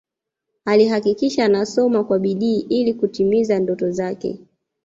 Alihakikisha anasoma kwa bidii ili kutimiza ndoto zake